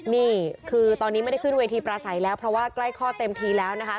นี่คือตอนนี้ไม่ได้ขึ้นเวทีประสัยแล้วเพราะว่าใกล้ข้อเต็มทีแล้วนะคะ